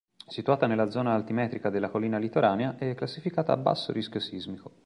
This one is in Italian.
Situata nella zona altimetrica della collina litoranea, è classificata a basso rischio sismico.